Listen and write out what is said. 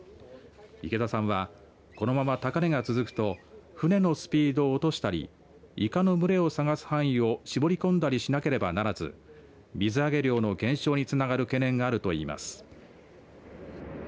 池田さんはこのまま高値が続くと船のスピードを落としたりいかの群れを探す範囲を絞り込んだりしなければならず水揚げ量の減少につながる懸念があるといいます。